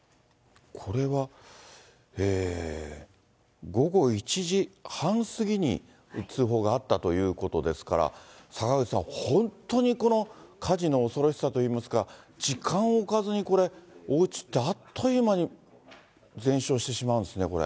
これは、午後１時半過ぎに通報があったということですから、坂口さん、本当にこの火事の恐ろしさといいますか、時間を置かずに、これ、おうちってあっという間に全焼してしまうんですね、これ。